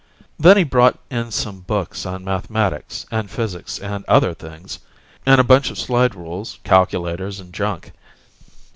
Then he brought in some books on mathematics and physics and other things, and a bunch of slide rules, calculators, and junk.